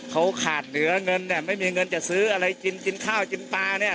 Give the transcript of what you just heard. เขาขาดเหลือเงินเนี่ยไม่มีเงินจะซื้ออะไรกินกินข้าวกินปลาเนี่ย